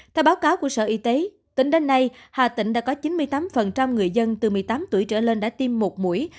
theo báo cáo của sở y tế tính đến nay hà tĩnh đã có chín mươi tám người dân từ một mươi tám tuổi trở lên đã tiêm một mũi